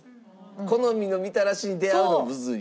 好みのみたらしに出会うのがむずい。